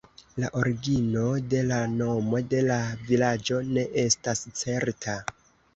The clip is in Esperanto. La origino de la nomo de la vilaĝo ne estas certa.